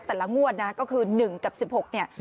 แต่ละงวดนะก็คือ๑กับ๑๖เนี่ย